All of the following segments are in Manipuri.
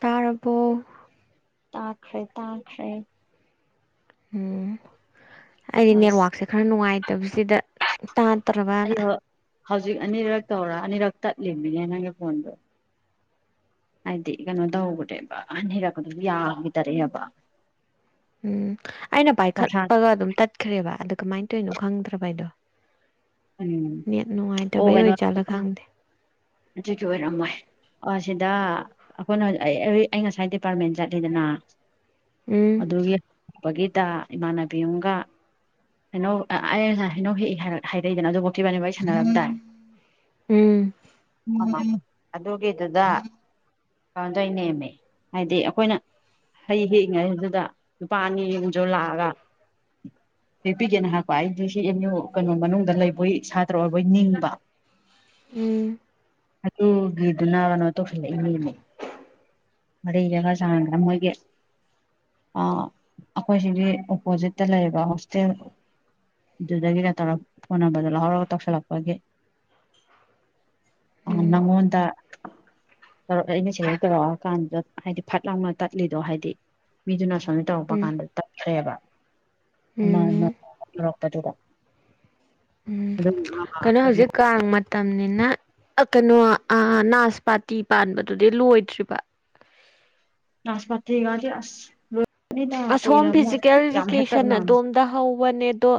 ꯇꯥꯔꯕꯣ ꯇꯥꯈ꯭ꯔꯦ ꯇꯥꯈ꯭ꯔꯦ ꯎꯝ ꯑꯩꯗꯤ ꯑꯁ ꯅꯦꯠꯋꯥꯛꯁꯦ ꯈꯔ ꯅꯨꯡꯉꯥꯏꯇꯕꯁꯤꯗ ꯇꯥꯗ꯭ꯔꯕꯅ ꯑꯩ ꯍꯧꯖꯤꯛ ꯑꯅꯤꯔꯛ ꯇꯧꯔ ꯑꯅꯤꯔꯛ ꯇꯠꯂꯤꯃꯤꯅꯦ ꯅꯪꯒꯤ ꯐꯣꯟꯗꯣ ꯍꯥꯏꯗꯤ ꯀꯩꯅꯣ ꯇꯧꯈ꯭ꯔꯦꯕ ꯑꯅꯤꯔꯛ ꯑꯗꯨꯝ ꯌꯥꯈꯤꯗ꯭ꯔꯦꯕ ꯎꯝ ꯑꯩꯅ ꯐꯣꯔꯁꯥ ꯄꯥꯏꯈꯠꯄꯒ ꯑꯗꯨꯝ ꯇꯠꯈ꯭ꯔꯦꯕ ꯑꯗ ꯀꯃꯥꯏꯅ ꯇꯧꯔꯤꯅꯣ ꯈꯪꯗ꯭ꯔꯕ ꯑꯩꯗꯣ ꯎꯝ ꯅꯦꯠ ꯑꯣ ꯅꯨꯡꯉꯥꯏꯇꯕꯩ ꯀꯩꯅꯣ ꯑꯣꯏꯖꯥꯠꯂꯥ ꯈꯪꯗꯦ ꯑꯗꯨꯒꯤ ꯑꯣꯏꯔꯝꯃꯣꯢ ꯑꯣ ꯁꯤꯗ ꯑꯩꯈꯣꯏꯅ ꯑꯩ ꯉꯁꯥꯏ ꯗꯤꯄꯥꯔꯠꯃꯦꯟ ꯆꯠꯂꯤꯗꯅ ꯎꯝ ꯑꯗꯨꯒꯤꯗ [unintelligible] ꯏꯃꯥꯟꯅꯕꯤ ꯑꯃꯒ ꯍꯩꯅꯧ ꯑꯩ ꯉꯁꯥꯢ ꯍꯩꯅꯧ ꯍꯦꯛ ꯍꯥꯏꯔꯛꯏꯗꯅ ꯑꯗꯨꯕꯧꯇꯤ ꯢꯕꯥꯅꯤ ꯋꯥꯔꯤ ꯁꯥꯟꯅꯔꯝꯗꯥꯢ ꯎꯝ [unintelligible] ꯑꯗꯨꯒꯤꯗꯨꯗ [unintelligible] ꯅꯦꯃꯦ ꯍꯥꯏꯗꯤ ꯑꯩꯈꯣꯏꯅ ꯍꯩ ꯍꯦꯛꯉꯩꯗꯨꯗ ꯅꯨꯨꯄꯥ ꯑꯅꯤ ꯑꯝꯁꯨ ꯂꯥꯛꯑꯒ ꯍꯦꯞꯄꯤꯇꯦꯜ ꯍꯥꯏꯄ ꯑꯩꯗꯤ ꯁꯤ ꯑꯦꯝ ꯌꯨ ꯀꯩꯅꯣ ꯃꯅꯨꯡꯗ ꯂꯩꯕꯣꯏ ꯁꯥꯇ꯭ꯔ ꯑꯣꯏꯕꯣꯏ ꯅꯤꯡꯕ ꯎꯝ ꯑꯗꯨꯒꯤꯗꯨꯅ ꯀꯩꯅꯣ ꯇꯧꯁꯤꯜꯂꯛꯏꯅꯤꯃꯦ ꯋꯥꯔꯤꯒ ꯈꯔ ꯁꯥꯟꯅꯗꯅ ꯃꯣꯢꯒꯤ ꯑꯩꯈꯣꯏ ꯁꯤꯒꯤ ꯑꯣꯄꯣꯖꯤꯠꯇ ꯂꯩꯕ ꯍꯣꯁꯇꯦꯜ ꯑꯗꯨꯗꯒꯤꯔ ꯇꯧꯔ ꯐꯣꯟ ꯅꯝꯕꯥꯔ ꯗꯣ ꯂꯧꯍꯧꯔꯒ ꯇꯧꯁꯤꯜꯂꯛꯄꯒꯤ ꯑꯥ ꯎꯝ ꯅꯪꯉꯣꯟꯗ ꯇꯧꯔꯛꯒꯦꯗꯤ ꯁꯤꯗꯩ ꯇꯧꯔꯛꯑꯣ ꯀꯥꯟꯗ ꯍꯥꯏꯗꯤ ꯐꯠ ꯂꯥꯎꯅ ꯇꯠꯂꯤꯗꯣ ꯍꯥꯏꯗꯤ ꯃꯤꯗꯨꯅ ꯁꯨꯃꯥꯏꯅ ꯇꯧꯔꯛꯄ ꯎꯝ ꯀꯥꯟꯗ ꯇꯥꯠꯈ꯭ꯔꯦꯕ ꯎꯝ [unintelligible] ꯇꯧꯔꯛꯄꯗꯨꯗ ꯎꯝ ꯑꯗꯨ ꯀꯩꯅꯣ ꯍꯧꯖꯤꯛ ꯀꯥꯡ ꯃꯇꯝ ꯃꯇꯝꯅꯤꯅ ꯀꯩꯅꯣ ꯅꯥꯁ ꯄꯥꯇꯤ ꯄꯥꯟꯕꯗꯨꯗꯤ ꯂꯣꯏꯗ꯭ꯔꯤꯕ ꯅꯥꯁꯄꯥꯇꯤꯒꯗꯤ ꯑꯁ [unintelligible] ꯑꯁꯣꯝ ꯀꯨꯏꯔꯝꯃꯣꯏ ꯐꯤꯖꯤꯀꯦꯜ ꯌꯥꯝ ꯏꯗꯨꯀꯦꯁꯟ ꯍꯦꯛꯇꯠꯅꯕꯅꯦ ꯑꯗꯣꯝꯗ ꯍꯧꯕꯅꯦꯗꯣ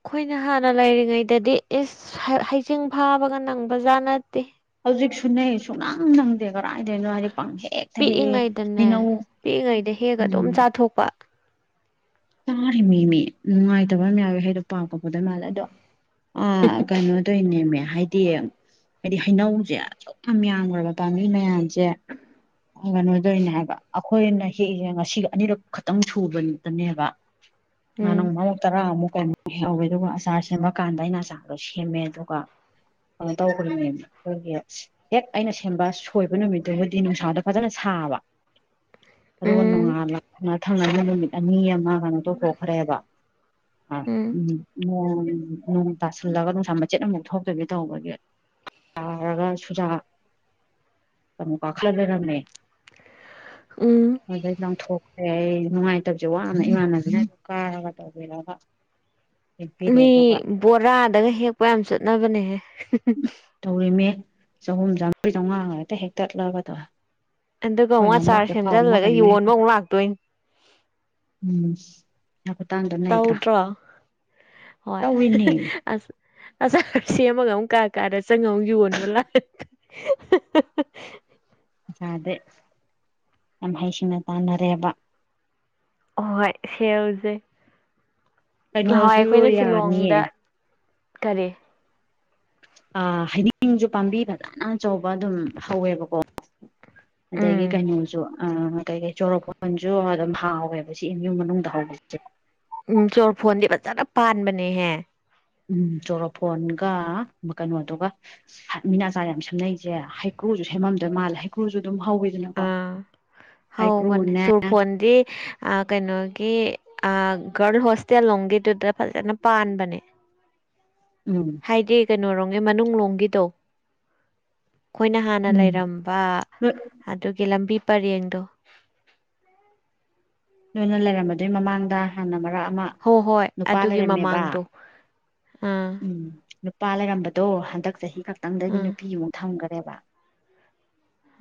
ꯑꯩꯈꯣꯏꯅ ꯍꯥꯟꯅ ꯂꯩꯔꯤꯉꯩꯗꯗꯤ ꯏꯁ ꯍꯩꯖꯤꯡ ꯐꯥꯕꯒ ꯅꯪꯕꯖꯥꯠ ꯅꯠꯇꯦ ꯍꯧꯖꯤꯛꯁꯨꯅꯦ ꯁꯨꯡꯅꯥꯥꯡ ꯅꯪꯗꯦ [unintelligible] ꯀꯔꯥꯏꯗꯩꯅꯣ ꯍꯥꯏꯗꯤ ꯄꯥꯡ ꯍꯦꯛꯇ ꯍꯦꯛꯌꯦ ꯍꯩꯅꯧ ꯄꯤꯛꯏꯉꯩꯗꯅꯦ ꯎꯝ ꯊꯣꯛꯄ ꯇꯥꯔꯤ ꯅꯤꯃꯦ ꯅꯨꯡꯉꯥꯏꯇꯕ ꯑꯃ ꯌꯥꯎꯋꯦ ꯍꯥꯏꯗꯣ ꯄꯥꯞꯒ ꯄꯨꯗꯧ ꯃꯥꯜꯂꯦ ꯑꯗꯣ ꯑ ꯀꯩꯅꯣ ꯅꯦꯃꯦ ꯍꯥꯏꯗꯤ ꯍꯥꯏꯗꯤ ꯍꯩꯅꯧꯁꯦ ꯑꯁꯨꯛ ꯌꯥꯝ ꯌꯥꯝꯈ꯭ꯔꯕ ꯄꯥꯝꯕꯤ ꯃꯌꯥꯝꯁꯦ ꯀꯩꯅꯣꯗꯧꯔꯤꯅꯦ ꯍꯥꯏꯕ ꯑꯩꯈꯣꯏꯅ ꯍꯦꯛꯏꯁꯦ ꯉꯁꯤꯒ ꯑꯅꯤꯔꯛ ꯈꯛꯇꯪ ꯁꯨꯕꯅꯦꯕ ꯅꯍꯥꯟ ꯎꯝ ꯅꯣꯡ ꯐꯥꯗꯣꯛ ꯇꯔꯥꯃꯨꯛ ꯀꯨꯟꯃꯨꯛ ꯍꯦꯛꯍꯧꯋꯦ ꯑꯗꯨꯒ ꯑꯆꯥꯔ ꯁꯦꯝꯕꯀꯥꯟꯗ ꯑꯩꯅ ꯑꯆꯥꯔꯗꯣ ꯁꯦꯝꯃꯦ ꯑꯗꯨꯒ ꯑꯥꯇꯥꯎꯈ꯭ꯔꯅꯦ ꯈꯣꯏꯒꯤ ꯁꯤꯁ ꯍꯦꯛ ꯑꯩꯅ ꯁꯦꯝꯕ ꯁꯣꯏꯕ ꯅꯨꯃꯤꯠꯇꯨꯕꯨꯗꯤ ꯅꯨꯡꯁꯥꯗ ꯐꯖꯟꯅ ꯁꯥꯕ ꯑꯗꯨꯒ ꯎꯝ ꯅꯣꯡꯉꯥꯜꯂꯛ ꯃꯊꯪ [unintelligible] ꯅꯨꯃꯤꯠ ꯑꯅꯤ ꯑꯃ ꯀꯩꯅꯣ ꯇꯧꯊꯣꯛꯈ꯭ꯔꯦꯕ ꯑ ꯎꯝ ꯅꯣꯡ ꯇꯥꯁꯤꯜꯂꯒ ꯅꯨꯡꯁꯥ ꯃꯆꯦꯠ ꯑꯃꯃꯨꯛ ꯊꯣꯛꯇꯕꯤ ꯇꯧꯕꯒꯤ ꯇꯥꯔꯒ ꯁꯨꯖꯥꯛ ꯑꯃꯨꯛ ꯀꯈꯜ ꯂꯩꯔꯝꯃꯦ ꯎꯝ ꯑꯗꯩ ꯂꯪꯊꯣꯛꯔꯩ ꯅꯨꯡꯉꯥꯏꯇꯕꯁꯦ ꯋꯥꯅ ꯏꯃꯥꯟꯅꯕꯤ ꯀꯥꯔꯒ ꯇꯧꯕꯤꯔꯒ ꯍꯦꯛꯄꯤꯔꯦ ꯃꯤ ꯑꯗꯨꯒ ꯕꯣꯔꯥꯗꯒ ꯍꯦꯛꯄ ꯌꯥꯝ ꯆꯠꯅꯕꯅꯦꯍꯦ ꯇꯧꯔꯤꯃꯦ ꯆꯍꯨꯝ ꯆꯥꯝ--ꯃꯔꯤ ꯆꯥꯝꯃꯉꯥ ꯍꯦꯛꯇ ꯍꯦꯛꯛꯇꯠꯂꯒꯗꯣ ꯑꯗꯨꯒ ꯋꯥꯠꯁꯥꯏ ꯍꯦꯟꯗꯦꯜ ꯂꯒꯥ ꯀꯔꯤ ꯑꯃ ꯍꯦꯛ ꯌꯣꯟꯕ ꯑꯃꯨꯛ ꯂꯥꯛꯇꯣꯏ ꯎꯝ ꯍꯥꯕꯥ ꯇꯥꯡꯗ ꯇꯧꯗ꯭ꯔꯣ ꯍꯣꯏ ꯇꯧꯔꯤꯅꯦ ꯑꯁ ꯑꯆꯥꯥꯔꯁ ꯁꯦꯝꯃꯥꯒꯥ ꯑꯃꯨꯛ ꯀꯥ ꯀꯥꯗ ꯆꯪꯉ ꯃꯨꯛ ꯌꯣꯟꯕ ꯂꯥꯛ ꯍꯥ ꯍꯥ ꯍꯥ ꯖꯗꯦ ꯌꯥꯝ ꯍꯩꯁꯤꯡꯅ ꯇꯥꯟꯅꯔꯦꯕ ꯍꯣꯏ ꯁꯦꯜꯁꯦ ꯅꯍꯋꯥꯏ ꯀꯩꯅꯣꯁꯨ ꯑꯩꯈꯣꯏꯅ ꯌꯥꯅꯤꯌꯦ ꯁꯤꯂꯣꯡꯗ ꯀꯔꯦ ꯑ ꯍꯩꯅꯤꯡ--ꯁꯨ ꯄꯥꯝꯕꯤ ꯐꯅ ꯑꯆꯧꯕ ꯑꯗꯨꯝ ꯍꯧꯋꯦꯕꯀꯣ ꯎꯝ ꯗꯒꯤ ꯀꯩꯅꯣꯁꯨ ꯑꯥ ꯃꯩꯇꯩ ꯒꯤ ꯆꯣꯔꯣꯐꯣꯟ--ꯁꯨ ꯑꯗꯨꯝ ꯍꯥꯎꯋꯦꯕ ꯁꯤ ꯏꯦꯝ ꯌꯨꯝ ꯃꯅꯨꯡꯗ ꯍꯥꯎ--ꯆꯦ ꯎꯝ ꯆꯣꯔꯐꯣꯟꯗꯤ ꯐꯖꯟꯅ ꯄꯥꯟꯕꯅꯦꯍꯦ ꯎꯝ ꯆꯣꯔꯣꯐꯣꯟꯒ ꯀꯩꯅꯣꯗꯨꯒ ꯍꯥꯟ ꯃꯤꯅꯥ ꯑꯆꯥꯔ ꯌꯥꯝ ꯁꯦꯝꯅꯩꯁꯦ ꯍꯩꯀ꯭ꯔꯨꯁꯨ ꯁꯦꯝꯃꯝꯗꯣꯏ ꯃꯥꯜꯂ ꯍꯩꯀ꯭ꯔꯨꯁꯨ ꯑꯗꯨꯝ ꯍꯧꯋꯤꯗꯅ ꯑ ꯍꯧꯕꯅꯦ ꯆꯨꯔꯐꯣꯟꯗꯤ ꯑꯥ ꯀꯩꯅꯣꯒꯤ ꯑꯥ ꯒꯥꯔ꯭ꯜ ꯍꯣꯁꯇꯦꯜ ꯂꯣꯡꯒꯤꯠꯇꯨꯗ ꯐꯖꯟꯅ ꯄꯥꯟꯕꯅꯦ ꯎꯝ ꯍꯥꯏꯗꯤ ꯀꯩꯅꯣꯔꯣꯡꯒꯤ ꯃꯅꯨꯡꯂꯣꯝꯒꯤ ꯇꯣ ꯈꯣꯏꯅ ꯍꯥꯟꯅ ꯎꯝ ꯂꯩꯔꯝꯕ ꯑꯗꯨꯒꯤ ꯂꯝꯕꯤ ꯄꯔꯦꯡꯗꯣ ꯅꯣꯏꯅ ꯂꯩꯔꯝꯕꯗꯨꯏ ꯃꯃꯥꯡꯗ ꯍꯥꯟꯅ ꯃꯔꯛ ꯑꯃ ꯍꯣꯏ ꯍꯣꯏ ꯅꯨꯄꯥ ꯑꯗꯨꯒꯤ ꯂꯩꯔꯝꯃꯦꯕ ꯃꯃꯥꯡꯗꯣ ꯑꯥ ꯎꯝ ꯄꯥ ꯂꯩꯔꯝꯕꯗꯣ ꯍꯟꯗꯛ ꯆꯍꯤ ꯈꯛꯇꯪꯗꯒꯤ ꯑꯥ ꯅꯨꯄꯤꯃꯨꯛ ꯊꯝꯈꯥꯔꯦꯕ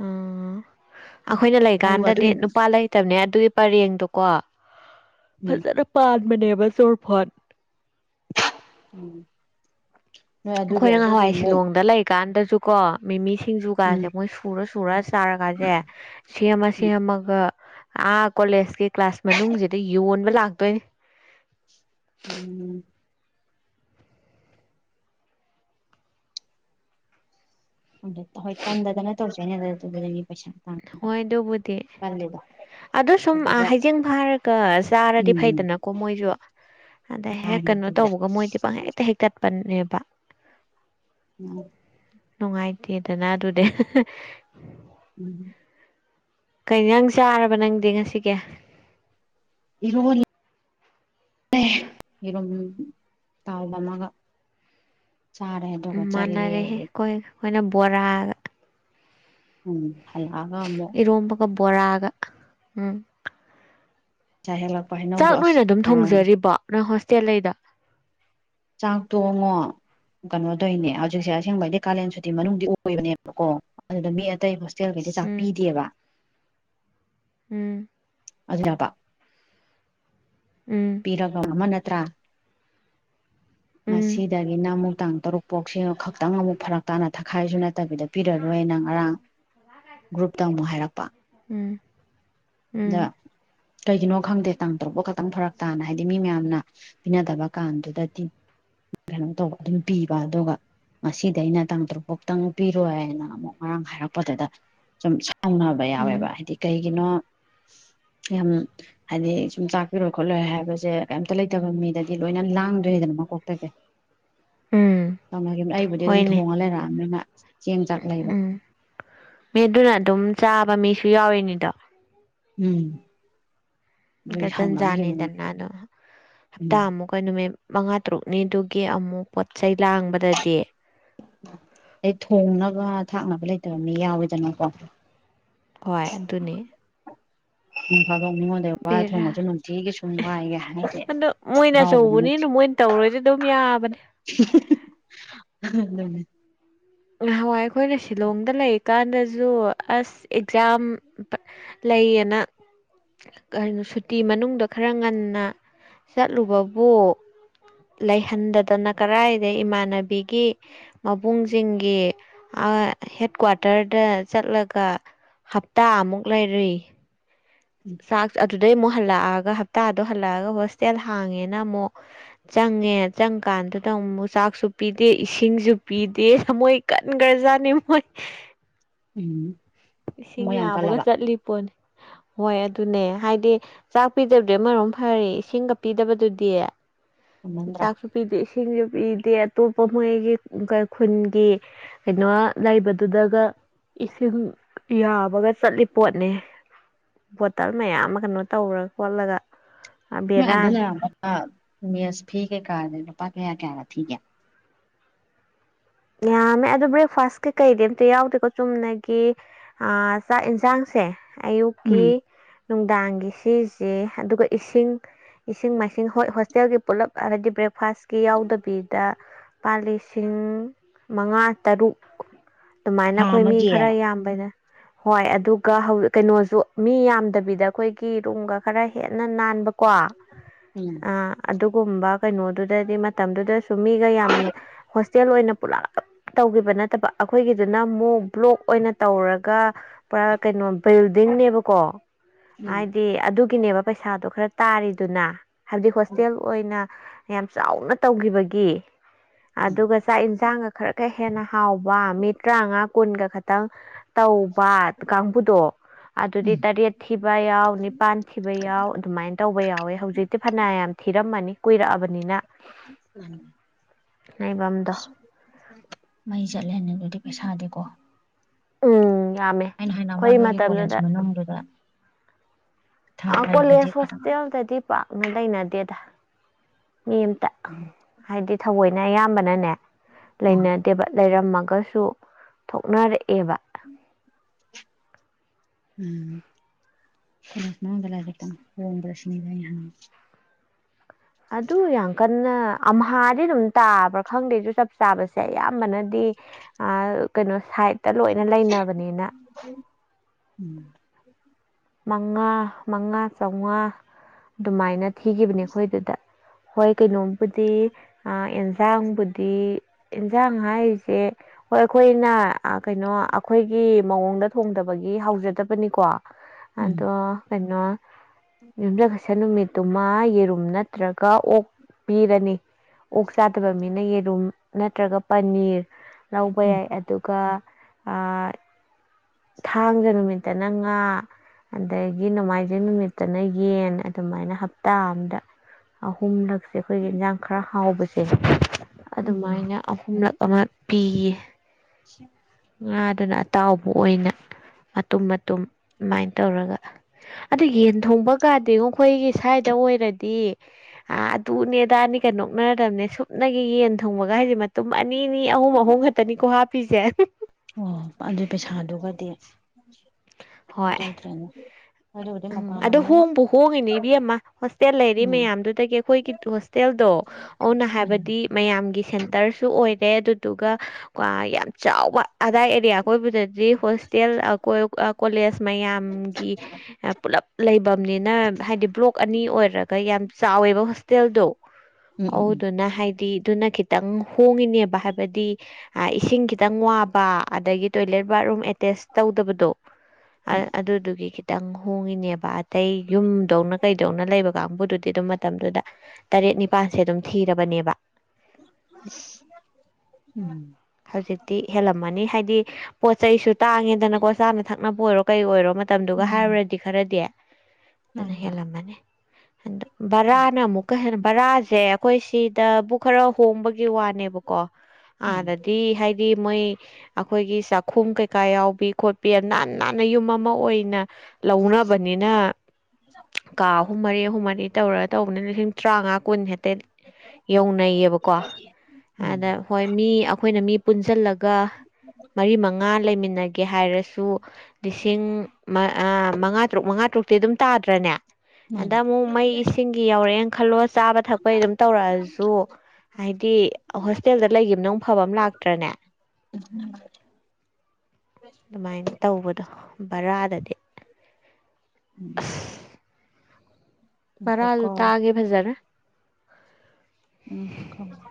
ꯑꯣ ꯑꯥꯈꯣꯏꯅ ꯑꯗꯨꯒ ꯑꯗꯨꯏ ꯂꯩꯀꯥꯟꯗꯗꯤ ꯅꯨꯄꯥ ꯂꯩꯠ ꯇꯕꯅꯦ ꯑꯗꯨꯒꯤ ꯄꯔꯦꯡꯗꯣꯀꯣ ꯎꯝ ꯐꯖꯟꯅ ꯄꯥꯟꯕꯅꯦꯕ ꯆꯣꯔꯐꯣꯟ ꯎꯝ ꯅꯣꯏ ꯑꯗꯨꯒꯤ ꯈꯣꯏꯅ ꯑꯗꯨꯒꯤ ꯉꯍꯋꯥꯏ ꯑꯃꯨꯛ ꯁꯤꯂꯣꯡꯗ ꯂꯩꯀꯥꯟꯗꯁꯨ ꯀꯣ ꯃꯤꯃꯤ ꯁꯤꯡꯖꯨꯒꯥꯁꯦ ꯎꯝ ꯃꯣꯏ ꯁꯨꯔꯥ ꯁꯨꯔꯥ ꯆꯥꯔꯒꯁꯦ ꯁꯦꯝꯃ ꯎꯝ ꯁꯦꯝꯃ ꯒ ꯑꯥ ꯀꯣꯂꯦꯖꯀꯤ ꯀ꯭ꯂꯥꯁ ꯃꯅꯨꯡꯁꯤꯗ ꯌꯣꯟꯕ ꯂꯥꯛꯇꯣꯏꯅꯤ ꯎꯝ ꯑꯗꯨ ꯍꯣꯏ ꯇꯟꯗꯗꯅ ꯇꯧꯖꯩꯅꯦꯗ ꯗꯨꯞꯄꯗꯥꯒꯤ ꯄꯩꯁꯥ ꯇꯥꯟ ꯍꯣꯏ ꯗꯨꯕꯨꯗꯤ ꯀꯜꯂꯤꯗꯣ ꯑꯗꯨ ꯁꯨꯝ ꯑꯗꯨꯗ ꯑꯥ ꯍꯩꯖꯤꯡ ꯐꯥꯔꯒ ꯆꯥꯔꯗꯤ ꯎꯝ ꯐꯩꯗꯅ ꯀꯣ ꯃꯣꯏꯁꯨ ꯑꯗ ꯍꯦꯛ ꯀꯩꯅꯣ ꯃꯇꯝꯗ ꯇꯧꯕꯒ ꯃꯣꯏꯗꯤ ꯄꯪ ꯍꯦꯛꯇ ꯍꯦꯛꯛꯇꯠꯄꯅꯦꯕ ꯎꯝ ꯅꯨꯡꯉꯥꯏꯇꯦꯗꯅ ꯑꯗꯨꯗꯤ ꯎꯝ ꯀꯩ ꯏꯟꯖꯥꯡ ꯆꯥꯔꯕ ꯅꯪꯗꯤ ꯉꯁꯤꯒꯤ ꯏꯔꯣꯜꯂꯦ ꯌꯦꯔꯨꯝ ꯇꯥꯥꯎꯕꯃꯒ ꯆꯥꯔꯦ ꯑꯗꯨꯒ ꯆꯥꯜꯂꯦ ꯑꯃꯅ ꯕꯣꯔꯥꯒ ꯎꯝ ꯍꯜꯂꯛꯑꯒ ꯑꯃꯨꯛ ꯏꯔꯣꯝꯕꯒ ꯕꯣꯔꯥꯒ ꯎꯝ ꯉꯁꯥꯏ ꯍꯦꯛꯂꯛꯄ ꯆꯥꯛ ꯍꯩꯅꯧꯗꯣ ꯑꯁ ꯅꯣꯏꯅ ꯑꯗꯨꯝ ꯌꯥꯝꯃꯦ ꯊꯣꯡꯖꯔꯤꯕꯣ ꯍꯣꯁꯇꯦꯜ ꯂꯩꯗꯣ ꯆꯥꯛꯇꯣꯉꯣ ꯀꯩꯅꯣꯇꯣꯏꯅꯦ ꯍꯧꯖꯤꯛꯁꯦ ꯑꯁꯦꯡꯕꯩꯗꯤ ꯀꯥꯂꯦꯟ ꯁꯨꯇꯤ ꯃꯅꯨꯡꯗꯤ ꯑꯣꯏꯕꯅꯦꯕꯀꯣ ꯑꯗꯨꯗ ꯃꯤ ꯑꯇꯩ ꯍꯣꯁ ꯍꯣꯁꯇꯜꯒꯤꯗꯤ ꯎꯝ ꯆꯥꯛꯄꯤꯗꯦꯕ ꯎꯝ ꯑꯗꯨꯗꯅꯕ ꯎꯝ ꯄꯤꯒ ꯑꯃ ꯅꯠꯇ꯭ꯔꯥ ꯉꯁꯤ ꯎꯝ ꯗꯒꯤꯅ ꯑꯃꯨꯛ ꯇꯥꯡ ꯇꯔꯨꯛꯐꯥꯎꯁꯦ ꯈꯛꯇꯪ ꯑꯃꯨꯛ ꯐꯔꯛ ꯇꯥꯅ ꯊꯛꯈꯥꯏꯁꯨ ꯅꯠꯇꯕꯤꯗ ꯄꯤꯔꯣꯏꯅ ꯉꯔꯥꯡ ꯒ꯭ꯔꯨꯞꯇ ꯑꯃꯨꯛ ꯍꯥꯏꯔꯛꯄꯥ ꯎꯝ ꯎꯝ ꯑꯗ ꯀꯒꯤꯅꯣ ꯈꯪꯗꯦ ꯇꯥꯡ ꯇꯔꯨꯛ ꯐꯛ ꯈꯛꯇꯪ ꯐꯔꯛ ꯇꯥꯅ ꯍꯥꯏꯗꯤ ꯃꯤ ꯃꯌꯥꯝꯅ ꯄꯤꯅꯗꯕ ꯀꯥꯟꯗꯨꯗꯗꯤ ꯀꯩꯅꯣꯝ ꯇꯧꯕ ꯑꯗꯨꯝ ꯄꯤꯕ ꯑꯗꯨꯒ ꯉꯁꯤꯗꯩꯅ ꯇꯥꯡ ꯇꯔꯨꯛ ꯐꯥꯎꯛꯇꯪ ꯄꯤꯔꯣꯏꯅ ꯑꯃꯨꯛ ꯉꯔꯥꯡ ꯍꯥꯏꯔꯛꯄꯗꯨꯗ ꯁꯨꯝ ꯁꯥꯎꯅꯕ ꯌꯥꯎꯋꯦꯕ ꯎꯝ ꯍꯥꯏꯗꯤ ꯀꯩꯒꯤꯅꯣ ꯌꯥꯝ ꯍꯥꯏꯗꯤ ꯁꯨꯝ ꯆꯥꯛꯄꯤꯔꯣꯏ ꯈꯣꯠꯂꯣꯏ ꯍꯥꯏꯕꯖꯦ ꯀꯩꯝꯇ ꯂꯩꯇꯕ ꯃꯤꯗꯗꯤ ꯂꯣꯏꯅ ꯂꯥꯡꯗꯣꯏꯅꯤꯗꯅ ꯃꯀꯣꯛꯇꯒꯤ ꯎꯝ ꯇꯧꯅꯒꯤꯝ ꯑꯩꯕꯨꯗꯤ ꯑꯗꯨꯝ ꯍꯣꯏꯅꯦ ꯊꯣꯡꯉ ꯂꯩꯔꯛꯑꯃꯤꯅ ꯆꯦꯡ ꯆꯥꯛ ꯂꯩꯕ ꯎꯝ ꯃꯤ ꯑꯗꯨꯅ ꯑꯗꯨꯝ ꯆꯥꯕ ꯃꯤꯖꯨ ꯌꯥꯎꯔꯤꯅꯤꯗꯣ ꯎꯝ ꯑꯗꯨꯒꯤ ꯁꯥꯎꯅꯈꯤꯕꯅꯤ ꯒꯖꯟꯖꯥꯟꯅꯤꯗꯅ ꯑꯗꯣ ꯎꯝ ꯍꯞꯇꯥꯥꯃꯨꯛ ꯅꯨꯃꯤꯠ ꯃꯉꯥ ꯇꯔꯨꯛꯅꯤꯗꯨꯒꯤ ꯑꯃꯨꯛ ꯄꯣꯠ ꯆꯩꯩ ꯂꯥꯡꯕꯗꯗꯤ ꯑꯗꯩ ꯊꯣꯡꯅꯕ ꯊꯥꯛꯅꯕ ꯂꯩꯇꯕ ꯃꯤ ꯌꯥꯎꯋꯤꯗꯅꯀꯣ ꯍꯣꯏ ꯑꯗꯨꯅꯤ ꯅꯣꯡꯐꯗꯣꯛ ꯃꯤꯉꯣꯟꯗ ꯑꯗꯩ ꯋꯥꯏꯔ ꯕꯦꯔꯥ ꯊꯣꯡꯕꯖꯨ ꯅꯨꯡꯇꯤꯒꯤ ꯁꯨꯝ ꯋꯥꯏꯒꯦ ꯍꯥꯏꯔꯗꯤ ꯍꯔꯥꯎꯕꯒ ꯅꯠꯇꯦ ꯇꯧꯔꯣꯏꯖꯨ ꯑꯗꯨꯝ ꯌꯥꯕꯅꯦ [unintelligible] ꯑꯗꯨꯅꯤ ꯅꯍꯥꯟꯋꯥꯏ ꯑꯈꯣꯏꯅ ꯁꯤꯂꯣꯡꯗ ꯂꯩ ꯀꯥꯟꯗꯖꯨ ꯑꯁ ꯑꯦꯛꯖꯥꯝ ꯂꯩꯌꯦꯅ ꯀꯩꯅꯣ ꯁꯨꯇꯤ ꯃꯅꯨꯡꯗ ꯈꯔ ꯉꯥꯟꯅ ꯆꯠꯂꯨꯕꯕꯨ ꯂꯩꯍꯟꯗꯗꯅ ꯀꯔꯥꯏꯗꯩ ꯏꯃꯥꯟꯅꯕꯤꯒꯤ ꯃꯕꯨꯡ ꯖꯤꯡꯒꯤ ꯑꯥ ꯍꯦꯠ ꯀ꯭ꯋꯥꯔꯇꯔꯗ ꯆꯠꯂꯒ ꯍꯞꯇꯥꯃꯨꯛ ꯂꯩꯔꯨꯏ ꯆꯥꯛ ꯑꯗꯨꯗꯩ ꯑꯃꯨꯛ ꯍꯜꯂꯛꯑꯒ ꯍꯞꯇꯥꯗꯣ ꯍꯜꯂꯛꯑꯒ ꯍꯣꯁꯇꯦꯜ ꯍꯥꯡꯉꯦꯅ ꯑꯃꯨꯛ ꯆꯪꯉꯦ ꯆꯪꯀꯥꯟꯗꯨꯗ ꯑꯃꯨꯛ ꯆꯥꯛꯁꯨ ꯄꯤꯗꯦ ꯏꯁꯤꯡꯖꯨ ꯄꯤꯗꯦ ꯊꯃꯣꯏ ꯀꯟꯒ꯭ꯔꯖꯥꯅꯤ ꯃꯣꯏ ꯎꯝ ꯏꯁꯤꯡ ꯃꯣꯏ ꯌꯥꯝ ꯌꯥꯕꯒ ꯀꯜꯂꯕ ꯆꯠꯂꯤ ꯄꯣꯠꯅꯤ ꯃꯣꯏ ꯑꯗꯨꯅꯦ ꯍꯥꯏꯗꯤ ꯆꯥꯛ ꯄꯤꯗꯕꯗꯤ ꯑꯃꯔꯣꯝ ꯐꯔꯦ ꯏꯁꯤꯡꯒ ꯄꯤꯗꯕꯗꯨꯗꯤ ꯀꯟꯃꯟꯗ꯭ꯔꯥ ꯆꯥꯛꯁꯨ ꯄꯤꯗꯦ ꯏꯁꯤꯡꯁꯨ ꯄꯤꯗꯦ ꯑꯇꯣꯞꯄ ꯃꯣꯏꯒꯤ ꯑ ꯈꯨꯟꯒꯤ ꯀꯩꯅꯣ ꯂꯩꯕꯗꯨꯗꯒ ꯏꯁꯤꯡ ꯌꯥꯕꯒ ꯆꯠꯂꯤ ꯄꯣꯠꯅꯤ ꯕꯣꯇꯜ ꯃꯌꯥꯝ ꯀꯩꯅꯣ ꯇꯧꯔ ꯈꯣꯠꯂꯒ ꯃꯣꯏ ꯑꯥꯗ ꯕꯦꯔꯥꯅꯤ ꯂꯔꯝꯕꯒ ꯃꯦꯁ ꯐꯤ ꯀꯩꯀꯗꯤ ꯃꯄꯥ ꯀꯌꯥ ꯀꯌꯥꯒ ꯊꯤꯒꯦ ꯌꯥꯝꯃꯦ ꯑꯗꯨ ꯕ꯭ꯔꯦꯛꯐꯥꯁ ꯀꯩ ꯀꯩꯗꯤ ꯑꯝꯇ ꯌꯥꯎꯗꯦꯀꯣ ꯆꯨꯝꯅꯒꯤ ꯆꯥꯛ ꯌꯦꯟꯖꯥꯡꯁꯦ ꯎꯝ ꯑꯌꯨꯛꯀꯤ ꯅꯨꯡꯗꯥꯡꯒꯤ ꯁꯤꯖꯦ ꯑꯗꯨꯒ ꯏꯁꯤꯡ ꯏꯁꯤꯡ ꯃꯥꯏꯁꯤꯡ ꯍꯣꯏ ꯍꯣꯁꯇꯦꯜꯒꯤ ꯄꯨꯂꯞ ꯍꯥꯏꯗꯤ ꯕ꯭ꯔꯦꯛꯐꯥꯁꯀꯤ ꯌꯥꯎꯗꯕꯤꯗ ꯄꯥ ꯂꯤꯁꯤꯡ ꯃꯉꯥ ꯇꯔꯨꯛ ꯑꯗꯨꯃꯥꯏꯅ ꯊꯥ ꯈꯣꯏ ꯃꯤ ꯑꯃꯒꯤ ꯈꯔ ꯌꯥꯝꯕꯅ ꯍꯣꯏ ꯑꯗꯨꯒ ꯍꯧ ꯀꯩꯅꯣꯁꯨ ꯃꯤ ꯌꯥꯝꯗꯕꯤꯗ ꯈꯣꯏꯒꯤ ꯔꯨꯝꯒ ꯈꯔ ꯍꯦꯟꯅ ꯅꯥꯟꯕ ꯀꯣ ꯑ ꯎꯝ ꯑꯗꯨꯒꯨꯝꯕ ꯀꯩꯅꯣꯗꯨꯗꯗꯤ ꯃꯇꯝꯗꯨꯗꯁꯨ ꯃꯤꯒ ꯌꯥꯝ ꯍꯣꯁ ꯇꯦꯜ ꯑꯣꯏꯅ ꯄꯨꯂꯞ ꯇꯧꯒꯤꯕ ꯅꯠꯇꯕ ꯑꯈꯣꯏꯒꯤꯗꯨꯅ ꯑꯃꯨꯛ ꯕ꯭ꯂꯣꯛ ꯑꯣꯏꯅ ꯇꯧꯔꯒ ꯄꯨꯔꯥ ꯀꯩꯅꯣ ꯕꯤꯜꯗꯤꯡꯅꯦꯕꯀꯣ ꯎꯝ ꯎꯝ ꯍꯥꯏꯗꯤ ꯑꯗꯨꯒꯤꯅꯦꯕ ꯄꯩꯁꯥꯗꯣ ꯈꯔ ꯇꯥꯔꯤꯗꯨꯅ ꯍꯥꯏꯕꯗꯤ ꯍꯣꯁꯇꯦꯜ ꯑꯣꯏꯅ ꯌꯥꯝ ꯆꯥꯎꯅ ꯇꯧꯒꯤꯕꯒꯤ ꯎꯝ ꯑꯗꯨꯒ ꯆꯥꯛ ꯌꯦꯟꯁꯥꯡ ꯈꯔ ꯈ ꯍꯦꯟꯅ ꯍꯥꯎꯕ ꯃꯤ ꯇꯔꯥꯃꯉꯥ ꯀꯨꯟꯒ ꯈꯇꯪ ꯇꯧꯕ ꯀꯥꯡꯕꯨꯗꯣ ꯑꯗꯨꯗꯤ ꯇꯔꯦꯠ ꯊꯤꯕ ꯌꯥꯎ ꯅꯤꯄꯥꯟ ꯊꯤꯕ ꯌꯥꯎ ꯑꯗꯨꯃꯥꯏꯅ ꯇꯧꯕ ꯌꯥꯎꯋꯦ ꯍꯧꯖꯤꯛꯇꯤ ꯐꯅ ꯌꯥꯝ ꯊꯤꯔꯝꯃꯅꯤ ꯀꯨꯏꯔꯛꯑꯕꯅꯤꯅ ꯂꯩꯕꯝꯗꯣ ꯃꯩ ꯆꯠꯂꯦꯅꯦ ꯑꯗꯨꯗꯤ ꯄꯩꯁꯥꯗꯤꯀꯣ ꯎꯝ ꯌꯥꯝꯃꯦ ꯑꯩꯅ ꯑꯩꯈꯣꯏ ꯍꯥꯏꯅꯃ ꯅꯣꯏꯒꯤ ꯃꯇꯝꯗꯨꯗ ꯀꯣꯂꯦꯖ ꯃꯅꯨꯡꯗꯨꯗ ꯑ ꯀꯣꯂꯦꯖ ꯊꯥꯔꯛꯏꯕꯗꯤ ꯈꯇꯪ ꯍꯣꯁꯇꯦꯜꯗꯗꯤ ꯄꯥꯛꯅ ꯂꯩꯅꯗꯦꯗ ꯃꯤ ꯑꯝꯇ ꯎꯝ ꯍꯥꯏꯗꯤ ꯊꯋꯣꯏꯅ ꯑꯌꯥꯝꯕꯅꯅꯦ ꯎꯝ ꯂꯩꯅ ꯇꯦꯕ ꯂꯩꯔꯝꯃꯒꯁꯨ ꯊꯣꯛꯅꯔꯛꯑꯦꯕ [inaudible] ꯎꯝ ꯀꯣꯂꯦꯁ ꯃꯅꯨꯡꯗ ꯂꯥꯏꯔꯤꯛ‌ꯇꯝꯕ ꯍꯣꯡꯕꯔꯥ ꯁꯤꯅꯤ ꯑꯩꯅ ꯍꯪꯉꯤ ꯑꯗꯨ ꯌꯥꯝ ꯀꯟꯅ ꯑꯝꯍꯥꯗꯤ ꯑꯗꯨꯝ ꯇꯥꯕ꯭ꯔꯥ ꯈꯪꯗꯦꯁꯨ ꯆꯞ ꯆꯥꯕꯁꯦ ꯑꯌꯥꯝꯕꯅꯗꯤ ꯑ ꯀꯩꯅꯣ ꯁꯥꯏꯗꯠꯇ ꯂꯣꯏꯅ ꯂꯩꯅꯕꯅꯤꯅ ꯎꯝ [inaudible] ꯃꯉꯥ ꯃꯉꯥ ꯆꯥꯝꯃꯉꯥ ꯑꯗꯨꯃꯥꯏꯅ ꯊꯤꯒꯤꯕꯅꯦ ꯈꯣꯏꯗꯨꯗ ꯍꯣꯏ ꯀꯩꯅꯣꯝꯕꯨꯗꯤ ꯑ ꯑꯦꯟꯖꯥꯡꯕꯨꯗꯤ ꯗꯤ ꯑꯦꯟꯁꯥꯡ ꯍꯥꯏꯔꯤꯖꯦ ꯍꯣꯏ ꯈꯣꯏꯅ ꯑ ꯀꯩꯅꯣ ꯑꯈꯣꯏꯒꯤ ꯃꯑꯣꯡꯗ ꯊꯣꯡꯗꯕꯒꯤ ꯍꯥꯎꯖꯗꯕꯅꯤꯀꯣ ꯎꯝ ꯑꯗꯣ ꯀꯩꯅꯣ [unintelligible] ꯁ ꯅꯨꯃꯤꯠꯇꯨꯃ ꯌꯦꯔꯨꯝ ꯅꯠꯇ꯭ꯔꯒ ꯑꯣꯛ ꯄꯤꯔꯅꯤ ꯑꯣꯛ ꯆꯥꯗꯕ ꯃꯤꯅ ꯌꯦꯔꯨꯝ ꯅꯠꯇ꯭ꯔꯒ ꯄꯅꯤꯔ ꯂꯧꯕ ꯎꯝ ꯌꯥꯏ ꯑꯗꯨꯒ ꯑ ꯊꯥꯡꯖ ꯅꯨꯃꯤꯠꯇꯅ ꯉꯥ ꯑꯗꯒꯤ ꯅꯣꯡꯃꯥꯏꯖꯤꯡ ꯅꯨꯃꯤꯠꯇꯅ ꯌꯦꯟ ꯑꯗꯨꯃꯥꯏꯅ ꯍꯞꯇꯥ ꯑꯝꯗ ꯑꯍꯨꯝꯂꯛꯁꯦ ꯑꯩꯈꯣꯏꯒꯤ ꯏꯟꯖꯥꯡ ꯈꯔ ꯍꯥꯎꯕꯁꯦ ꯎꯝ ꯑꯗꯨꯃꯥꯏꯅ ꯑꯍꯨꯝꯂꯛ ꯑꯃ ꯄꯤꯌꯦ ꯑ [inaudible] ꯉꯥꯗꯨꯅ ꯑꯇꯥꯎꯕ ꯑꯣꯏꯅ ꯃꯇꯨꯝ ꯃꯇꯨꯝ ꯑꯗꯨꯃꯥꯏꯅ ꯇꯧꯔꯒ ꯑꯗꯨ ꯌꯦꯟ ꯊꯣꯡꯕ ꯀꯥꯗꯤꯉꯣ ꯑꯩꯈꯣꯏꯒꯤ ꯁ꯭ꯋꯥꯏꯗ ꯑꯣꯏꯔꯗꯤ ꯑ ꯑꯗꯨꯅꯦ ꯑꯗꯥꯅꯤꯒ ꯅꯣꯛꯅꯔꯝꯅꯦ ꯁꯨꯞꯅꯒꯤ ꯌꯦꯟ ꯊꯨꯡꯕꯒꯥꯏꯖꯦ ꯃꯇꯨꯝ ꯑꯅꯤꯅꯤ ꯑꯍꯨꯝ ꯑꯍꯨꯝ ꯈ ꯇꯅꯤꯀꯣ ꯍꯥꯞꯄꯤꯖꯦ ꯑꯣ ꯑꯗꯨ ꯄꯩꯁꯥꯗꯨꯒꯗꯤ ꯀꯃꯥꯏ ꯍꯣꯏ ꯇꯧꯗ꯭ꯔꯦꯅꯦ ꯑꯗꯨꯕꯨꯗꯤ ꯎꯝ ꯃꯄꯥꯟ ꯑꯗꯣ ꯂꯝꯅꯤꯅ ꯍꯣꯡꯕꯨ ꯍꯣꯡꯉꯤꯅꯦ ꯏꯕꯦꯝꯃ ꯍꯣꯁꯇꯦꯜ ꯂꯩꯔꯤ ꯎꯝ ꯃꯌꯥꯝꯗꯨꯗꯒꯤ ꯑꯩꯈꯣꯏꯒꯤ ꯍꯣꯁꯇꯦꯜꯗꯣ ꯑꯗꯨꯅ ꯃꯥꯅꯤ ꯍꯥꯏꯕꯗꯤ ꯃꯌꯥꯝꯒꯤ ꯁꯦꯟꯇꯔꯁꯨ ꯑꯣꯏꯔꯦ ꯑꯗꯨꯗꯨꯒ ꯀ ꯌꯥꯝ ꯆꯥꯎ ꯑꯗꯥꯏ ꯑꯦꯔꯤꯌꯥ ꯑꯀꯣꯏꯕꯗꯗꯤ ꯍꯣꯁꯇꯦꯜ ꯀꯣꯂꯦꯖ ꯃꯌꯥꯝꯒꯤ ꯄꯨꯜꯂꯞ ꯂꯩꯕꯝꯅꯤꯅ ꯍꯥꯏꯗꯤ ꯕ꯭ꯂꯣꯛ ꯑꯅꯤ ꯑꯣꯏꯔꯒ ꯌꯥꯝ ꯆꯥꯎꯋꯦꯕ ꯍꯣꯁꯇꯦꯜꯗꯣ ꯎꯝ ꯎꯝ ꯎꯝ ꯑꯗꯨꯗꯨꯅ ꯍꯥꯏꯗꯤ ꯑꯗꯨꯅ ꯈꯤ ꯈꯤꯇꯪ ꯍꯣꯡꯉꯤꯅꯦꯕ ꯍꯥꯏꯕꯗꯤ ꯑ ꯏꯁꯤꯡ ꯈꯤꯇꯪ ꯋꯥꯕ ꯑꯗꯒꯤ ꯇꯣꯏꯂꯦꯠ ꯕꯥꯠꯔꯨꯝ ꯑꯦꯇꯦꯁ ꯇꯧꯗꯕꯗꯣ ꯑꯗꯨꯗꯨꯒꯤ ꯈꯤꯇꯪ ꯍꯣꯡꯉꯤꯅꯦꯕ ꯑꯇꯩ ꯌꯨꯝꯗꯧꯅ ꯀꯩꯗꯧꯅ ꯂꯩꯕ ꯀꯥꯡꯕꯨꯗꯨꯗꯤ ꯑꯗꯨꯝ ꯃꯇꯝꯗꯨꯗ ꯇꯔꯦꯠ ꯅꯤꯄꯥꯜꯁꯦ ꯑꯗꯨꯝ ꯊꯤꯔꯕꯅꯦꯕ ꯎꯝ [inaudible] ꯍꯧꯖꯤꯛꯇꯤ ꯍꯦꯜꯂꯝꯃꯅꯤ ꯍꯥꯏꯗꯤ ꯄꯣꯠ ꯆꯩꯁꯨ ꯇꯥꯡꯉꯦꯗꯅꯀꯣ ꯆꯥꯅ ꯊꯛꯅꯕ ꯑꯣꯏꯔꯣ ꯀꯩ ꯑꯣꯏꯔꯣ ꯃꯇꯝꯗꯨꯒ ꯃꯥꯅꯤ ꯍꯥꯏꯔꯨꯔꯗꯤ ꯈꯔꯗꯤ ꯑꯗꯨꯅ ꯃꯥꯅꯤ ꯃꯥꯅꯤ ꯍꯦꯜꯂꯝꯃꯅꯤ ꯑꯗꯣ ꯕꯔꯥꯅ ꯑꯃꯨꯛꯀ ꯍꯦꯟꯅ ꯕꯔꯥꯖꯦ ꯑꯩꯈꯣꯏ ꯁꯤꯗꯕꯨ ꯈꯔ ꯍꯣꯡꯕꯒꯤ ꯋꯥꯅꯦꯕꯀꯣ ꯎꯝ ꯑꯥꯗꯗꯤ ꯍꯥꯏꯗꯤ ꯃꯣꯏ ꯑꯩꯈꯣꯏꯒꯤ ꯆꯥꯛꯈꯨꯝ ꯀꯩꯀꯥ ꯌꯥꯎꯕꯤ ꯈꯣꯠꯄꯤ ꯅꯥꯥꯟ ꯅꯥꯟꯅ ꯌꯨꯝ ꯑꯃ ꯑꯣꯏꯅ ꯂꯧꯅꯕꯅꯤꯅ ꯀꯥ ꯑꯍꯨꯝ ꯃꯔꯤ ꯑꯍꯨꯝ ꯃꯔꯤ ꯇꯧꯔꯒ ꯇꯧꯕꯅꯤ ꯂꯤꯁꯤꯡ ꯇꯔꯥꯡꯉꯥ ꯀꯨꯟ ꯍꯦꯛꯇ ꯌꯧꯅꯩꯌꯦꯕꯀꯣ ꯎꯝ ꯎꯝ ꯑꯗ ꯍꯣꯏ ꯃꯤ ꯑꯩꯈꯣꯏꯅ ꯃꯤ ꯄꯨꯟꯖꯜꯂꯒ ꯃꯔꯤ ꯃꯉꯥ ꯂꯩꯃꯤꯟꯅꯒꯦ ꯍꯥꯏꯔꯁꯨ ꯂꯤꯁꯤꯡ ꯃꯉꯥ ꯇꯔꯨꯛ ꯃꯉꯥ ꯇꯔꯨꯛꯇꯤ ꯑꯗꯨꯝ ꯇꯥꯗ꯭ꯔꯅꯦ ꯃꯥꯅꯤ ꯑꯗꯃꯨꯛ ꯃꯩ ꯏꯁꯤꯡꯒꯤ ꯌꯧꯔꯛꯑꯦꯅ ꯈꯜꯂꯣ ꯆꯥꯕ ꯊꯛꯄꯒꯤ ꯑꯗꯨꯝ ꯇꯧꯔꯛꯑꯁꯨ ꯍꯥꯏꯗꯤ ꯍꯣꯁꯇꯦꯜꯗ ꯂꯩꯈꯤꯕꯅ ꯑꯃꯨꯛ ꯐꯕ ꯑꯃ ꯂꯥꯛꯇ꯭ꯔꯅꯦ ꯎꯝ [inaudible] ꯑꯗꯨꯃꯥꯏ ꯇꯧꯕꯗꯣ ꯕꯔꯥꯗꯗꯤ ꯎꯝ [inaudible] ꯕꯔꯥꯖꯨ ꯉꯥꯏꯈꯣꯀꯣ ꯇꯥꯡꯉꯦ ꯐꯖꯅ ꯎꯝ ꯊꯝ [inaudible]